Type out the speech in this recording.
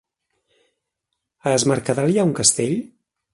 A Es Mercadal hi ha un castell?